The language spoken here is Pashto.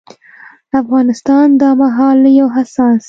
افغانستان دا مهال له يو حساس